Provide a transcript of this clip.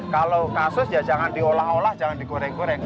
kalau kasus ya jangan diolah olah jangan digoreng goreng